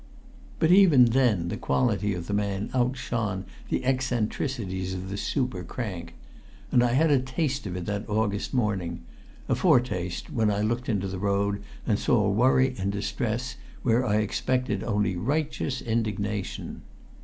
But even then the quality of the man outshone the eccentricities of the super crank. And I had a taste of it that August morning; a foretaste, when I looked into the road and saw worry and distress where I expected only righteous indignation.